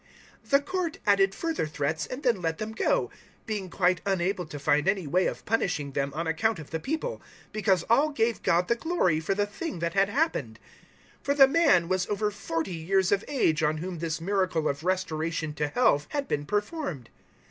004:021 The Court added further threats and then let them go, being quite unable to find any way of punishing them on account of the people, because all gave God the glory for the thing that had happened. 004:022 For the man was over forty years of age on whom this miracle of restoration to health had been performed.